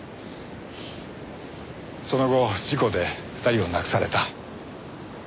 その後事故で２人を亡くされた。